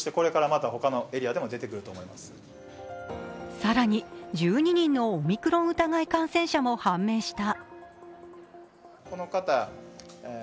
更に、１２人のオミクロン疑い感染者も判明した。